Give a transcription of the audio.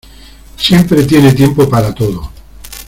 Siempre tiene tiempo para todo.